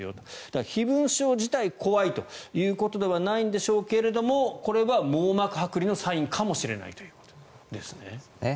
ただ飛蚊症自体怖いということではないんでしょうけれどもこれは網膜はく離のサインかもしれないということですね。